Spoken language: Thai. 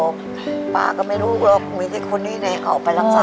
ก็ปาก็ไม่รู้ว่าคงไม่ใช่คนนี้ไหนก็เอาไปรักษา